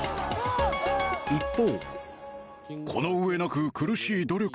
一方。